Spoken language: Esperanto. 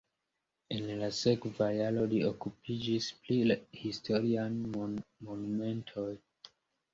En la sekva jaro li okupiĝis pri historiaj monumentoj.